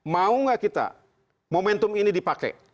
mau nggak kita momentum ini dipakai